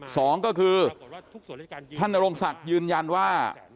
สองก็คือท่านนโรงศักดิ์ยืนยันว่า